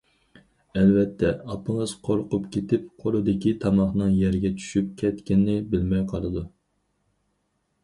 ئەلۋەتتە ئاپىڭىز قورقۇپ كېتىپ قولىدىكى تاماقنىڭ يەرگە چۈشۈپ كەتكىنىنى بىلمەي قالىدۇ.